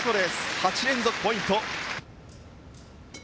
８連続ポイント。